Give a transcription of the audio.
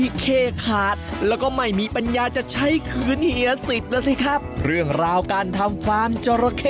เราเริ่มจากข้างบนเลยนะค่อยล้อ